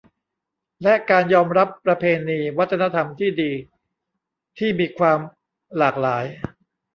และการยอมรับประเพณี วัฒนธรรมที่ดีที่มีความหลากหลาย